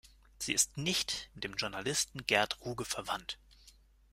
Sie ist nicht mit dem Journalisten Gerd Ruge verwandt.